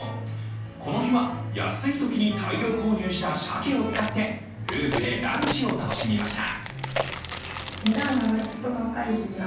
この日は安いときに大量購入したしゃけを使って夫婦でランチを楽しみました。